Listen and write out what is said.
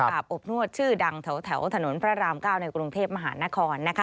อบนวดชื่อดังแถวถนนพระราม๙ในกรุงเทพมหานคร